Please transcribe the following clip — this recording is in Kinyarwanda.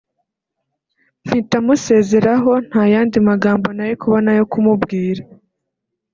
mpita musezeraho nta yandi magambo nari kubona yo kumubwira